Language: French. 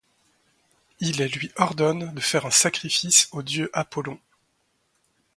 Il lui ordonne de faire un sacrifice au dieu Apollon.